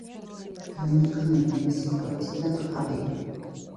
გამოიყენება მისი ხორცი და ტყავი.